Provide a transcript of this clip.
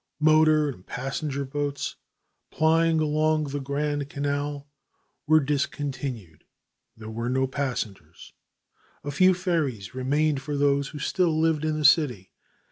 Motor and passenger boats plying along the Grand Canal were discontinued; there were no passengers. A few ferries remained for those who still lived in the city.